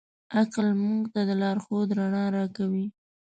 عقل موږ ته د لارښود رڼا راکوي.